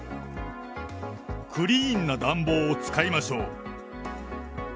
クリーンな暖房を使いましょう。